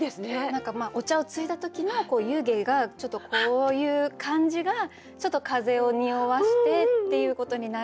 何かお茶をついだ時の湯気がちょっとこういう感じがちょっと風をにおわしてっていうことになるかなと。